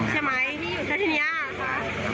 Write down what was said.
ใช่ไหมแล้วที่นี้